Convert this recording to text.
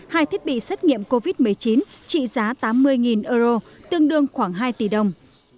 hai thiết bị xét nghiệm covid một mươi chín trị giá tám mươi euro tương đương khoảng hai tỷ đồng